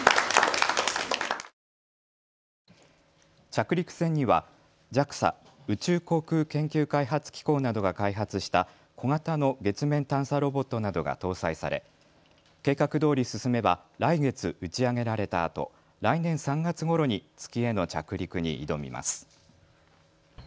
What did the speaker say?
着陸船にはＪＡＸＡ・宇宙航空研究開発機構などが開発した小型の月面探査ロボットなどが搭載され計画どおり進めば来月打ち上げられたあと来年３月ごろに月への着陸に挑みます。